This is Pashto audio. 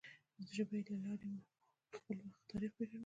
د ژبې له لارې موږ خپل تاریخ وپیژنو.